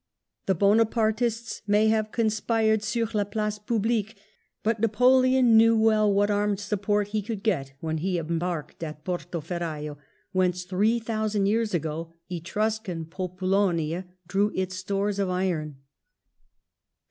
The Bona partists may have conspired sur la place publique, but Napoleon knew well what armed support he would get when he embarked at Porto Ferrajo, whence three thousand years ago Etruscan Populonia drew its stores of iron.